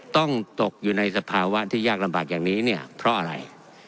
ตกอยู่ในสภาวะที่ยากลำบากอย่างนี้เนี่ยเพราะอะไร